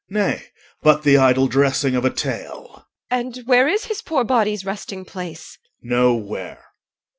Nay, but the idle dressing of a tale. EL. And where is his poor body's resting place? OR. Nowhere.